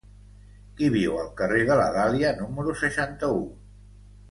Qui viu al carrer de la Dàlia número seixanta-u?